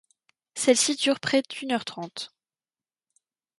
Celle-ci dure près d’une heure trente.